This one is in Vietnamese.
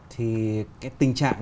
thì cái tình trạng